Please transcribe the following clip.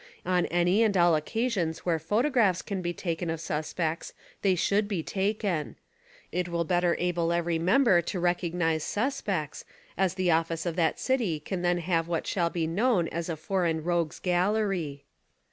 On any and all occasions where photographs can be taken of suspects they should be (taken). It will better able every member to recognize suspects, as the office SPY PROOF AMERICA 15 of that city can then have what shall be known as "a foreign rogues gallery."